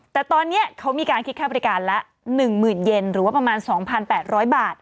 แต่ตอนเนี้ยเขามีการคิดค่าบริการละหนึ่งหมื่นเย็นหรือว่าประมาณสองพันแปดร้อยบาท